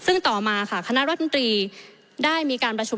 ซึ่งต่อมาค่ะคณะรัฐมนตรีได้มีการประชุม